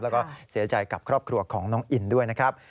แล้วก็เสียใจกับครอบครัวของน้องอินด้วยนะครับ